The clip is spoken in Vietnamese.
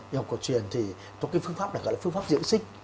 y học cổ truyền thì có cái phương pháp gọi là phương pháp diễn sinh